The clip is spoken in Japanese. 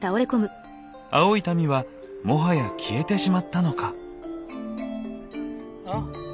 青い民はもはや消えてしまったのか。